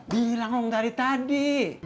bilang long dari tadi